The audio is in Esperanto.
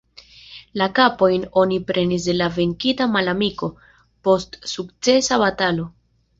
La kapojn oni prenis de la venkita malamiko, post sukcesa batalo.